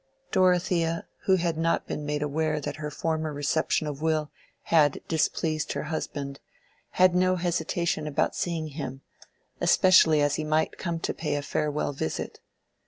Dorothea, who had not been made aware that her former reception of Will had displeased her husband, had no hesitation about seeing him, especially as he might be come to pay a farewell visit.